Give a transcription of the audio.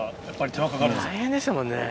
大変でしたもんね。